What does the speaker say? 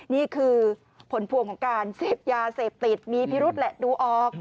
นี่คือผลพวงของการเสพยาเสพติดมีพิรุษแหละดูออก